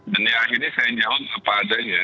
dan ya akhirnya saya jawab apa adanya